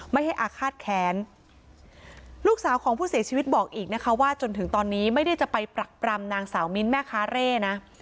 ไม่ให้อาฆาตแค้นลูกสาวของผู้เสียชีวิตบอกอีกนะคะว่าจนถึงตอนนี้ไม่ได้จะไปปรักปรำนางสาวมิ้นแม่ค้าเร่นะ